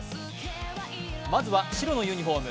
まずは白のユニフォーム